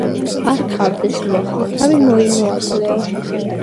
არ გყავდეს მოახლე თავი მოიმოახლეო